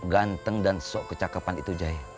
ganteng dan sok kecakapan itu jahe